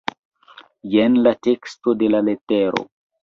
Jen la teksto de la letero.